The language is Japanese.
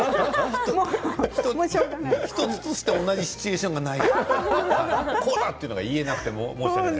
笑い声１つとして、同じシチュエーションがないからこれだ！というものが言えなくて申し訳ない。